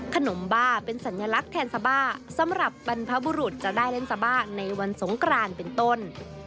บ้าเป็นสัญลักษณ์แทนซาบ้าสำหรับบรรพบุรุษจะได้เล่นซาบ้าในวันสงกรานเป็นต้น